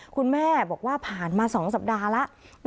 คุณแม่บอกว่าผ่านมา๒สัปดาห์แล้ว